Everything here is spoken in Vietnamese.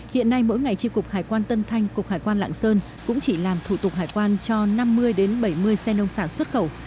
hiện nay mỗi ngày tri cục hải quan tân thanh cục hải quan lạng sơn cũng chỉ làm thủ tục hải quan cho năm mươi bảy mươi xe nông sản xuất khẩu